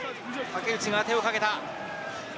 竹内が手をかけた。